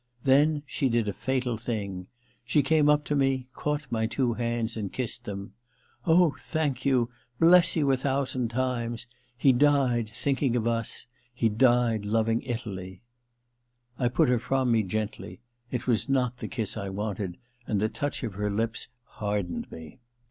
Then she did a fatal thing. She came up to me, caught my two hands and kissed them. * Oh, thank you — bless you a thousand times ! He died thinking of us — ^he died loving Italy !* I put her from me gently : it was not the kiss I wanted, and the touch of her lips hardened me.